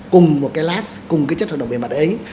cùng cái chất hoạt động bề mặt ấy